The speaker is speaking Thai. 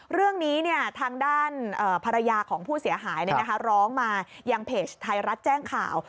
เรื่องนี้ทางด้านภรรยาของผู้เสียหายร้องมายังเพจไทยรัฐแจ้งข่าว